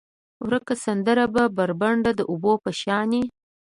ورکه سندره به، بربنډه د اوبو په شانې،